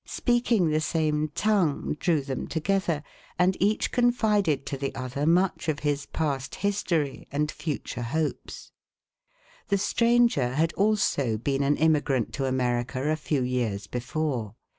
Speaking the same tongue drew them together, and each confided to the other much of his past history, and future hopes. The stranger had also been an immigrant to America a few years before.